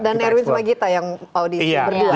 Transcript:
dan erwin sama gita yang audisi berdua